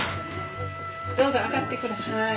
どうぞ上がってください。